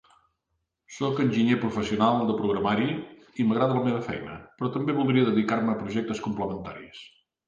Soc enginyer professional de programari i m'agrada la meva feina, però també volia dedicar-me a projectes complementaris.